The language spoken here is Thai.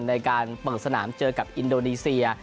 ในการเปิดสนามเจอกับอินโดนีเซีย